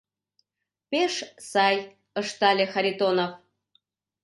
— Пеш сай, — ыштале Харитонов.